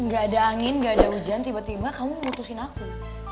gak ada angin gak ada hujan tiba tiba kamu mutusin aku